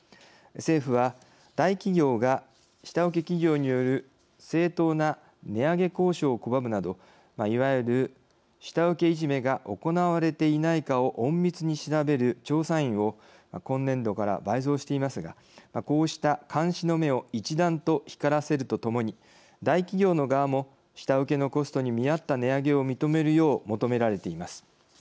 政府は、大企業が下請け企業による正当な値上げ交渉を拒むなどいわゆる下請けいじめが行われていないかを隠密に調べる調査員を今年度から倍増していますがこうした監視の目を一段と光らせるとともに大企業の側も下請けのコストに見合った値上げを認めるよう求められています。